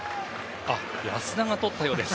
安田がとったようです。